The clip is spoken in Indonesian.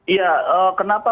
iya kenapa bulan desember ini